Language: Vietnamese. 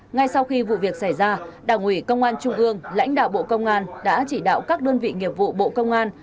ngay sau khi vụ việc xảy ra đảng ủy công an trung ương lãnh đạo bộ công an đã chỉ đạo các đơn vị nghiệp vụ bộ công an